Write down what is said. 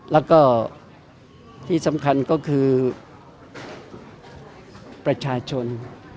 แล้วก็ที่สำคัญก็คือประชาชน